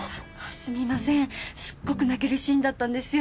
すっごく泣けるシーンだったんですよ。